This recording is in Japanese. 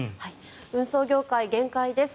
運送業界、限界です。